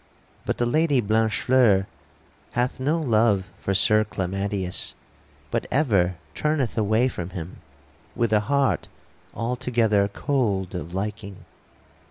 But the Lady Blanchefleur hath no love for Sir Clamadius, but ever turneth away from him with a heart altogether cold of liking.